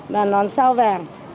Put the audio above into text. và nón sao vàng